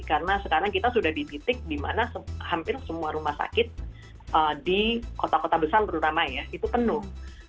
karena sekarang kita sudah di titik di mana hampir semua rumah sakit di kota kota besar terutama ya itu penuh